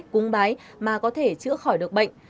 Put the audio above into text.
cũng bái mà có thể chữa khỏi được bệnh